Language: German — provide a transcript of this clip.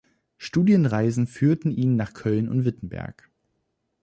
Studienreisen führten ihn nach Köln und Wittenberg.